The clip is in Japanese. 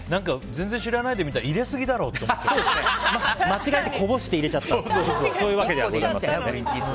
全然知らないで見たら入れすぎだろって間違えてこぼして入れてしまったそういうわけではございません。